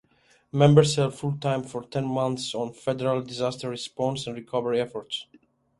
Members serve full-time for ten months on federal disaster response and recovery efforts.